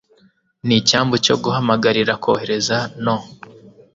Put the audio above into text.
Ni icyambu cyo guhamagarira kohereza no